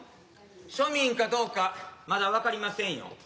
庶民かどうかまだ分かりませんよ。